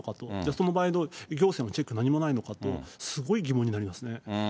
その場合、行政のチェック、何もないのか、すごい疑問になりますね。